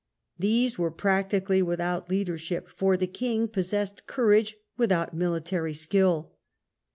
These were practically without leadership, for the king possessed courage without military skill.